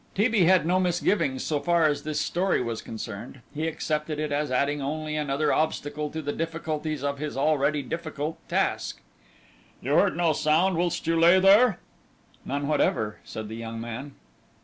T. B. had no misgivings so far as this story was concerned; he accepted it as adding only another obstacle to the difficulties of his already difficult task. "You heard no sound whilst you lay there?" "None whatever," said the young man.